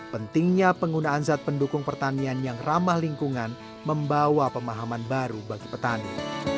pentingnya penggunaan zat pendukung pertanian yang ramah lingkungan membawa pemahaman baru bagi petani